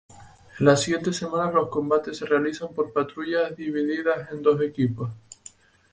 En las siguientes semanas los combates se realizan por patrullas divididas en dos equipos.